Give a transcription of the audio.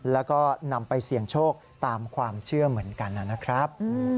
แล้วก็นำไปเสี่ยงโชคตามความเชื่อเหมือนกันนะครับ